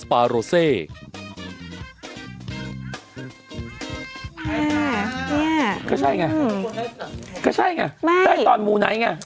ก็ใช่ไงได้ตอนหมู่ไหนไง